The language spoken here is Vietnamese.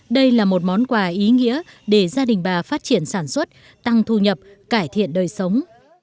đây là một món quà ý nghĩa để gia đình bà phát triển sản xuất tăng thu nhập cải thiện đời sống